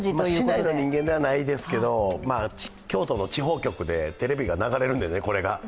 市内の人間ではないですけど、京都の地方局でテレビが流れるんでね、これが。